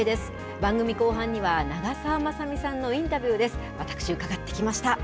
番組後半には、長澤まさみさんのインタビューです。